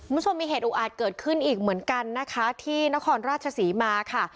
คุณผู้ชมมีเหตุอุอาจเกิดขึ้นอีกเหมือนกันนะคะที่นครราชศรีมาค่ะ